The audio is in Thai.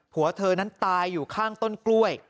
หัวเธอนั้นตายอยู่ข้างต้นกล้วย